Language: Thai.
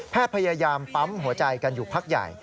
พยายามปั๊มหัวใจกันอยู่พักใหญ่